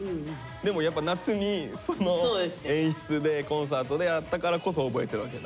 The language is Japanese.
でもやっぱ夏にその演出でコンサートでやったからこそ覚えてるわけだ。